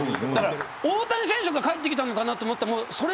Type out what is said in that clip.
大谷選手が返ってきたのかなと思った。